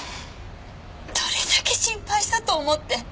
どれだけ心配したと思って！